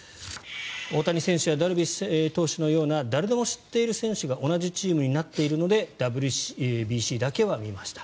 大谷選手やダルビッシュ投手のような誰でも知っている選手が同じチームになっているのでＷＢＣだけは見ました。